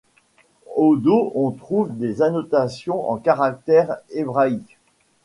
Au dos on trouve des annotations en caractères hébraïques.